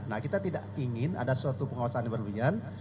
nah kita tidak ingin ada suatu penguasaan yang berlebihan